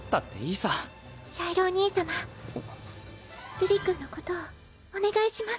瑠璃君のことをお願いします。